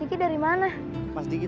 ya kita yang nyuar gadis